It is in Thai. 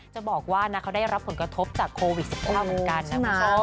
จะบอกว่าเขาได้รับผลกระทบจากโควิด๑๙เหมือนกันนะคุณผู้ชม